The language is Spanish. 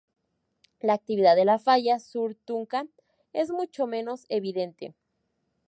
La actividad de la falla sur-Tunka es mucho menos evidente.